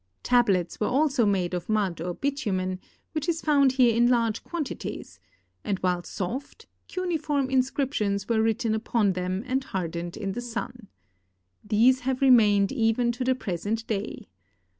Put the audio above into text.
Tal)lets were also made of mud or bitumen, which is found here in large quantities, and while soft, cuneiform inscriptions were written upon them and hardened in the sun. These have remained even to the present day.